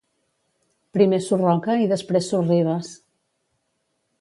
Primer Surroca i després Sorribes.